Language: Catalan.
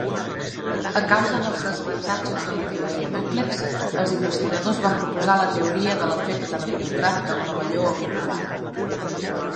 A causa dels desavantatges de la teoria Dúplex, els investigadors van proposar la teoria de l'efecte de filtrat del pavelló auricular.